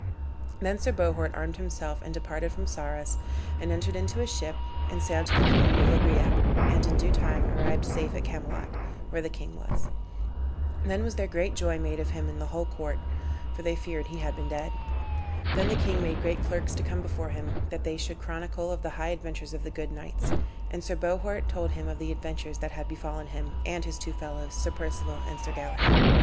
Then Sir Bohort armed himself and departed from Sarras, and entered into a ship, and sailed to the kingdom of Loegria, and in due time arrived safe at Camelot, where the king was. Then was there great joy made of him in the whole court, for they feared he had been dead. Then the king made great clerks to come before him, that they should chronicle of the high adventures of the good knights. And Sir Bohort told him of the adventures that had befallen him, and his two fellows, Sir Perceval and Sir Galahad.